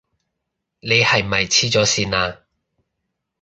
你係咪痴咗線啊？